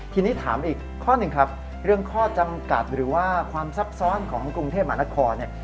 ทีนี้ถามอีกข้อหนึ่งครับเรื่องข้อจำกัดหรือว่าความซับซ้อนของกรุงเทพมหานครเนี่ย